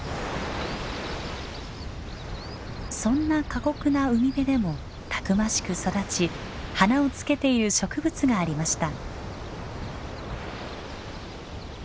そんな過酷な海辺でもたくましく育ち花をつけている植物がありました。